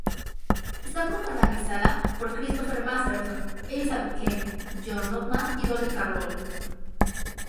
Está protagonizada por Christopher Masterson, Elizabeth Kemp, John Rothman y Dolly Carroll.